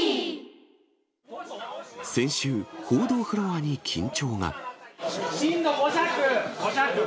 先週、報道フロアに緊張が。